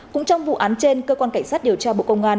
cũng trong vụ án trên cơ quan cảnh sát điều tra bộ công an